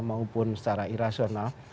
maupun secara irasional